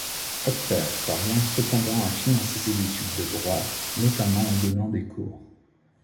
Octave parvient cependant à financer ses études de droit, notamment en donnant des cours.